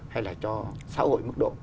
hay là cho xã hội mức độ